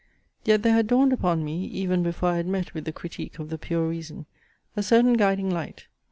Yet there had dawned upon me, even before I had met with the CRITIQUE OF THE PURE REASON, a certain guiding light.